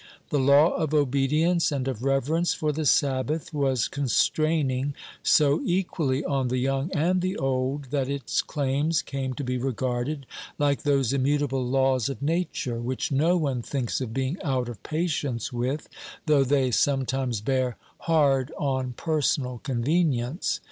The law of obedience and of reverence for the Sabbath was constraining so equally on the young and the old, that its claims came to be regarded like those immutable laws of nature, which no one thinks of being out of patience with, though they sometimes bear hard on personal convenience.